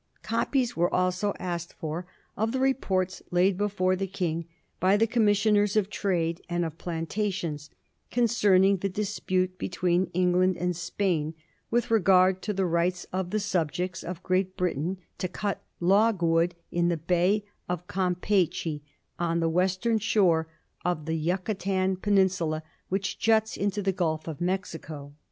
Copies were also asked for of the reports laid before the King by the commissioners of trade and of plantations, concerning the dispute between England and Spain, with regard to the rights of the subjects of Great Britain to cut logwood in the Bay of Campeachy, on the western shore of that Yucatan peninsula which juts into the Gulf of Mexico.